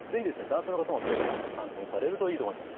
男性の方も今日のお話参考にされるといいと思いますよ。